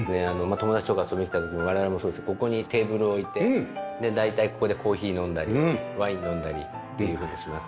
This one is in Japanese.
友達とか遊びに来た時に我々もそうですけどここにテーブルを置いて大体ここでコーヒー飲んだりワイン飲んだりっていうふうにしてます。